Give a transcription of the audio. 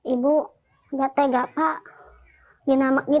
ibu enggak tega pak